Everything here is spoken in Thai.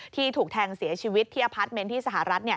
ถูกแทงเสียชีวิตที่อพาร์ทเมนต์ที่สหรัฐ